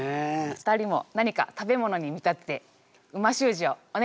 ２人も何か食べ物に見立てて美味しゅう字をお願いします。